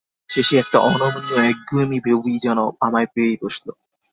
শেষে একটা অনমনীয় একগুঁয়েমি ভােবই যেন আমায় পেয়ে বসল।